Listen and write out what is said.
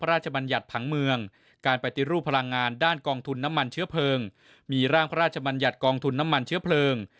ร่างพระราชบัญญัติกองทุนน้ำมันเชื้อเพลิง